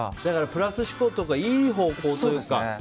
プラス思考とかいい方向というか。